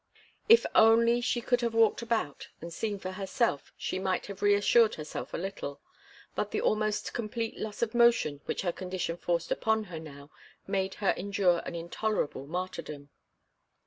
If only she could have walked about, and seen for herself, she might have reassured herself a little; but the almost complete loss of motion which her condition forced upon her now made her endure an intolerable martyrdom.